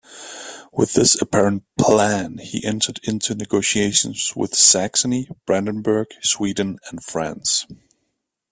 With this apparent "plan" he entered into negotiations with Saxony, Brandenburg, Sweden, and France.